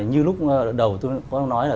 như lúc đầu tôi có nói là